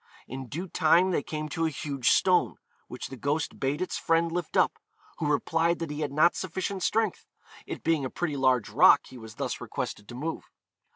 In due time they came to a huge stone, which the ghost bade its friend lift up, who replied that he had not sufficient strength, it being a pretty large rock he was thus requested to move.